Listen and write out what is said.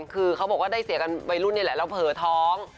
คือเขาบอกว่าได้เสียกันวัยรุ่นนี่แหละแล้วเผลอท้อง